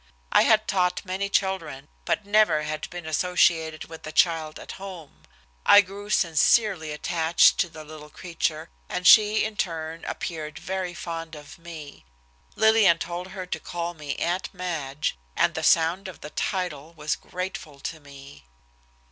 I had taught many children, but never had been associated with a child at home. I grew sincerely attached to the little creature, and she, in turn, appeared very fond of me. Lillian told her to call me "Aunt Madge," and the sound of the title was grateful to me.